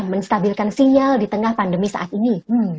menstabilkan sinyal di tengah pandemi saat ini